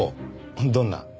どんな？